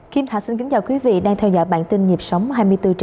kim thạ xin kính chào quý vị đang theo dõi bản tin nhịp sóng hai mươi bốn h bảy